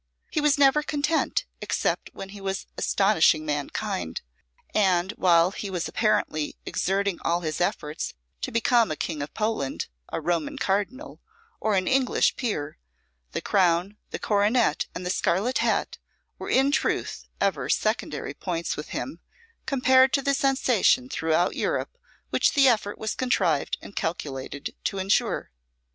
He was never content except when he was astonishing mankind; and while he was apparently exerting all his efforts to become a King of Poland, a Roman cardinal, or an English peer, the crown, the coronet, and the scarlet hat were in truth ever secondary points with him, compared to the sensation throughout Europe which the effort was contrived and calculated to ensure.